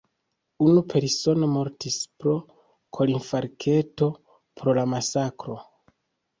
Unu persono mortis pro korinfarkto pro la masakro.